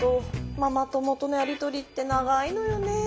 ママ友とのやり取りって長いのよね。